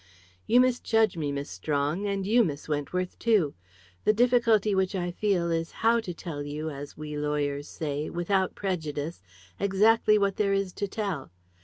"You misjudge me, Miss Strong, and you, Miss Wentworth, too. The difficulty which I feel is how to tell you, as we lawyers say, without prejudice, exactly what there is to tell.